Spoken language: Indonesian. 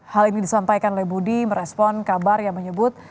hal ini disampaikan oleh budi merespon kabar yang menyebut